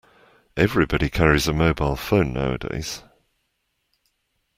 Everybody carries a mobile phone nowadays